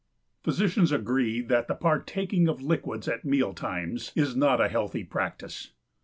Physicians agree that the partaking of liquids at meal times is not a healthy practice.